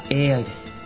ＡＩです。